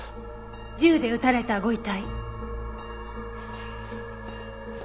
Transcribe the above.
銃で撃たれたご遺体。